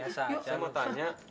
saya mau tanya